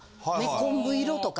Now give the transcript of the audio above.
昆布色とか。